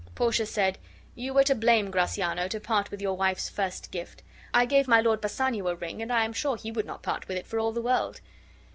Portia said: "You were to blame, Gratiano, to part with your wife's first gift. I gave my Lord Bassanio a ring, and I am sure be would not part with it for all the world."